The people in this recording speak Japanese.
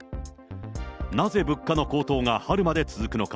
なぜ物価の高騰が春まで続くのか。